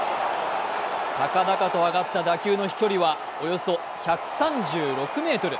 高々と上がった打球の飛距離はおよそ１３６ｍ。